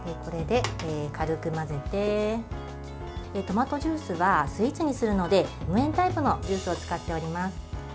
トマトジュースはスイーツにするので無塩タイプのジュースを使っております。